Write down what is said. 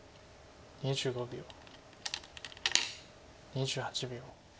２８秒。